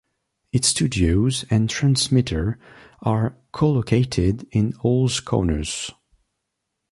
Its studios and transmitter are co-located in Hales Corners.